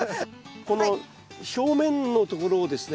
この表面のところをですね